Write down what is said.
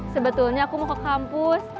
sebetulnya aku mau ke kampus